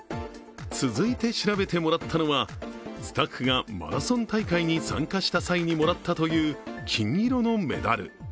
続いて調べてもらったのは、スタッフがマラソン大会に参加した際にもらったという金色のメダル。